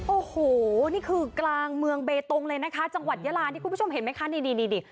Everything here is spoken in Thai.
โอ้โหนี่คือกลางเมืองเบตงเลยนะคะจังหวัดยาลานี่คุณผู้ชมเห็นไหมคะนี่นี่